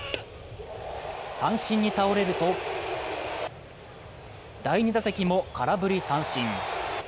三振に倒れると第２打席も空振り三振。